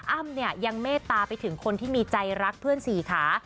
อ้ำเนี่ยยังเมตตาไปถึงคนที่มีใจรักเพื่อนสี่ขา